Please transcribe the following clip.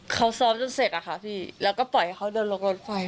เขาซ้อมจนเสร็จแล้วก็ปล่อยเขาเดินลงรถไป